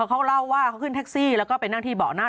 เขาเล่าว่าเขาขึ้นแท็กซี่แล้วก็ไปนั่งที่เบาะหน้า